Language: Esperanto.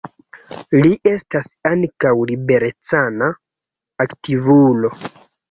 Li estas ankaŭ liberecana aktivulo.